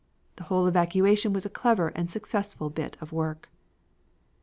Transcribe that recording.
The whole evacuation was a clever and successful bit of work.